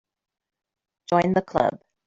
Join the Club.